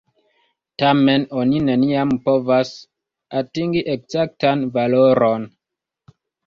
Tamen, oni neniam povas atingi ekzaktan valoron.